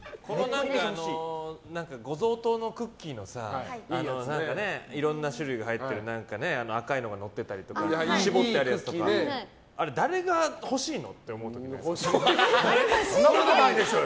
ご贈答のクッキーのいろんな種類が入ってるやつ赤いのがのっていたりとか絞ってあるやつとかあれ、誰が欲しいのってそんなことないでしょうよ。